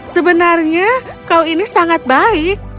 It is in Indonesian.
sebenarnya kau ini sangat baik